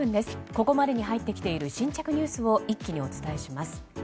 ここまでに入っている新着ニュースを一気にお伝えします。